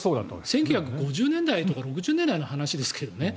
１９５０年代とか６０年代の話ですけどね。